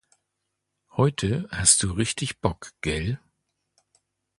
Heute hast du richtig Bock, gell?